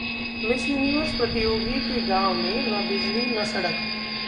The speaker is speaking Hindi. मिस यूनिवर्स प्रतियोगी के गांव में ना बिजली ना सड़क